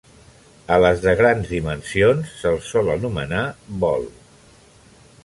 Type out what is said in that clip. A les de grans dimensions se'ls sol anomenar bol.